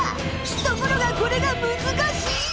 ところがこれがむずかしい！